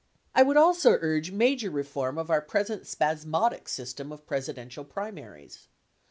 I would also urge major reform of our present spasmodic system of Presidential primaries.